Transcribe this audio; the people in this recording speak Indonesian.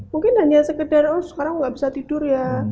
mungkin hanya sekedar oh sekarang gak bisa tidur ya